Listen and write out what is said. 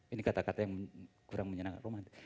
ini kata kata yang kurang menyenangkan rumah